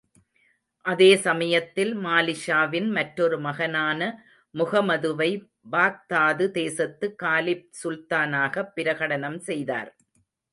அதே சமயத்தில், மாலிக்ஷாவின் மற்றொரு மகனான முகமதுவை பாக்தாது தேசத்து காலிப், சுல்தானாகப் பிரகடனம் செய்தார்.